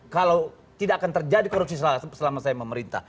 kalau tidak akan terjadi korupsi selama saya memerintah